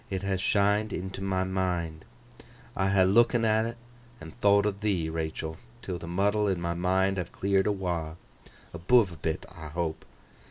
It ha' shined into my mind. I ha' look'n at 't and thowt o' thee, Rachael, till the muddle in my mind have cleared awa, above a bit, I hope.